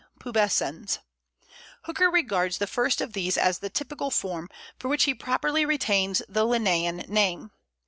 pubescens_. Hooker regards the first of these as the typical form, for which he properly retains the Linnæan name.